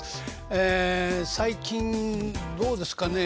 ええ最近どうですかね。